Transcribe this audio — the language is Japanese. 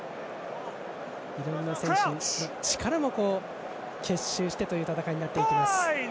いろんな選手の力も結集してという戦いになっていきます。